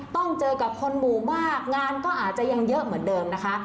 ต้องเจอกับคนหมู่มากงานก็อาจจะยังเยอะเหมือนเดิมนะคะ